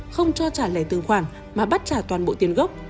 không cho trả lẻ tương khoản mà bắt trả toàn bộ tiền gốc